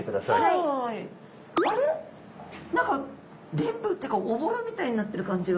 何かでんぶっていうかおぼろみたいになってる感じが。